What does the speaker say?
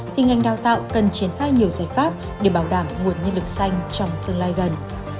thì ngành đào tạo cần triển khai nhiều giải pháp để bảo đảm nguồn nhân lực xanh trong tương lai gần